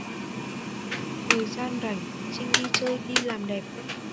Thời gian rảnh Trinh đi chơi đi làm đẹp